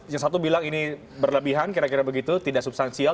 yang satu bilang ini berlebihan kira kira begitu tidak substansial